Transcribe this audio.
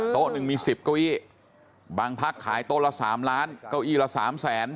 หนึ่งมี๑๐เก้าอี้บางพักขายโต๊ะละ๓ล้านเก้าอี้ละ๓แสน